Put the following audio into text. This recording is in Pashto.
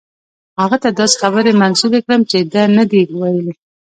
هغه ته داسې خبرې منسوبې کړم چې ده نه دي ویلي.